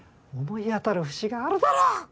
思い当たる節があるだろう！